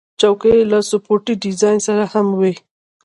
چوکۍ له سپورټي ډیزاین سره هم وي.